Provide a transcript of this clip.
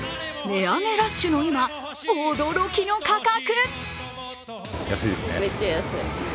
値上げラッシュの今驚きの価格！